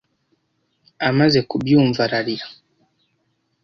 Amaze kubyumva, ararira.